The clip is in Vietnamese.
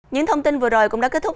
những thông tin vừa rồi cũng đã kết thúc